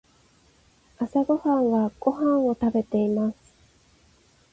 朝ごはんはご飯を食べています。